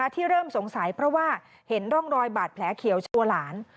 ที่เริ่มสงสัยเพราะว่าเห็นร่องรอยบาดแผลเขียวชัวหลาน